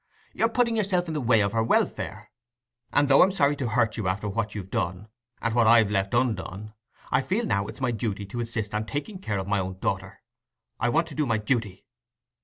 You're putting yourself in the way of her welfare; and though I'm sorry to hurt you after what you've done, and what I've left undone, I feel now it's my duty to insist on taking care of my own daughter. I want to do my duty."